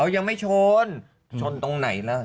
ยังไม่ชนชนตรงไหนล่ะ